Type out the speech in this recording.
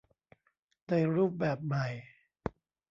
ในรูปแบบใหม่